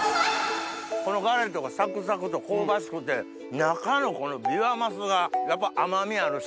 このガレットがサクサクと香ばしくて中のこのビワマスがやっぱ甘みあるし。